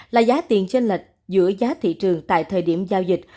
là giá tiền trên lệch giữa giá thị trường tại thời điểm giao dịch